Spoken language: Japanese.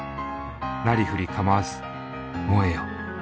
なりふりかまわず燃えよ。